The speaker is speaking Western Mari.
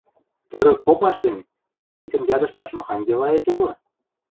— Тӧрӧк попаш гӹнь, мӹнь гӹцем ядышташ махань делаэт улы?